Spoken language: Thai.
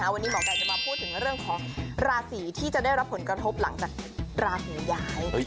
วันนี้หมอไก่จะมาพูดถึงเรื่องของราศีที่จะได้รับผลกระทบหลังจากราศีย้าย